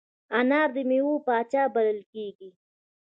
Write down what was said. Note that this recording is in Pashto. انار د میوو پاچا بلل کېږي.